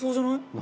「何？